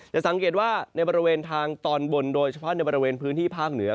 จะสังเกตว่าในบริเวณทางตอนบนโดยเฉพาะในบริเวณพื้นที่ภาคเหนือ